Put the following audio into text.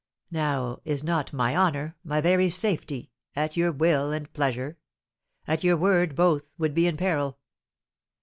Now is not my honour my very safety at your will and pleasure? At your word both would be in peril."